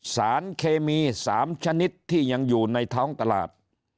สารเคมี๓ชนิดที่ยังอยู่ในท้องตลาด